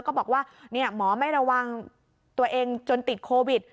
ก็บอกว่าหมอไม่ระวังตัวเองจนติดโควิด